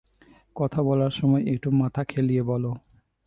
কথা বলার সময় একটু মাথা-খেলিয়ে বলো।